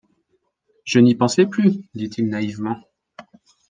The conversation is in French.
je n’y pensais plus, dit-il naïvement.